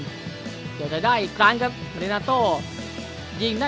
มะเรนาโตยิงได้ทุกระยะจริงที่รึยักษ์ครับ